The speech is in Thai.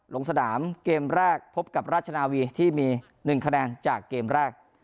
ลงสนามเกมแรกพบกับราชนาวีที่มี๑คะแนนจากเกมแรก